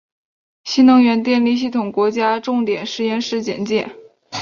新能源电力系统国家重点实验室简介